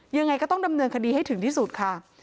ยังไงก็ต้องดำเนินคดีให้ถึงที่สุดค่ะ